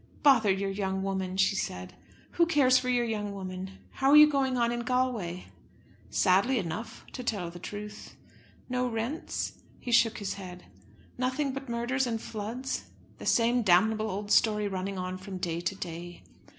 "Bother your young woman," she said; "who cares for your young woman! How are you going on in Galway?" "Sadly enough, to tell the truth." "No rents?" He shook his head. "Nothing but murders and floods?" "The same damnable old story running on from day to day."